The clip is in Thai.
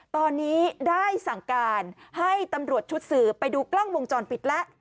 ตอนนี้ได้สั่งการให้ตำรวจชุดสืบไปดูกล้องวงจรปิดแล้ว